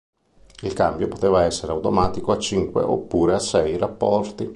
Il cambio poteva essere automatico a cinque oppure a sei rapporti.